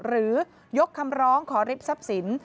ยกคำร้องขอริบทรัพย์สิน